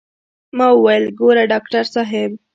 ما وويل ګوره ډاکتر صاحب.